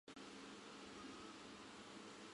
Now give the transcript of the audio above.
目前属哈萨克斯坦和乌兹别克斯坦所辖。